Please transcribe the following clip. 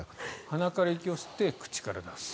鼻から息を吸って口から出す。